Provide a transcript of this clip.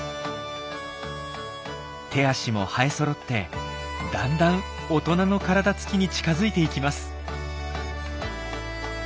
手足も生えそろってだんだん大人の体つきに近づいていきます。